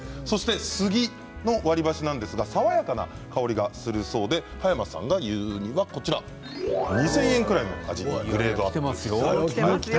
そして杉の割り箸なんですが爽やかな香りがするそうで葉山さんが言うには２０００円くらいの味にきてますよ。